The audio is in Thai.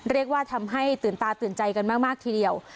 เรียกว่าทำให้ตื่นตาตื่นใจกันมากทีเดียว